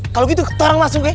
kalau gitu orang masuk ya